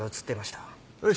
よし。